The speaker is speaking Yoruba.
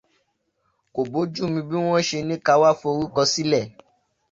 Kò bójúmu bí wọn ṣe ní ká wá fi orúkọ́ sílẹ̀.